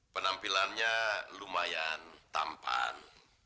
penampilannya lumayan tampan